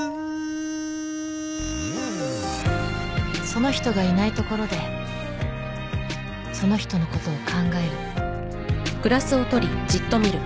その人がいない所でその人のことを考える。